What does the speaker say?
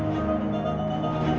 bukan bukan bukan pintu